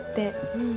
うん。